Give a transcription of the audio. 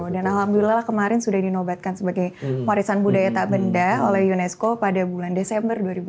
dan alhamdulillah kemarin sudah dinobatkan sebagai warisan budaya tak benda oleh unesco pada bulan desember dua ribu dua puluh tiga